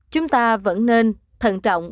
chúng ta vẫn nên thận trọng